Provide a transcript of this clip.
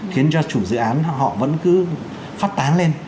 khiến cho chủ dự án họ vẫn cứ phát tán lên